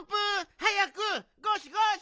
はやくゴシゴシ！